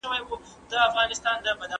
تاسره سلګۍ او اوښکې نهښايي